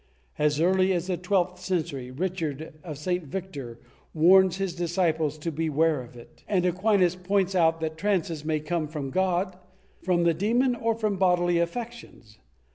As early as the twelfth century, Richard of St. Victor warns his disciples to beware of it, and Aquinas points out that trances may come from God, from the demon or from bodily affections.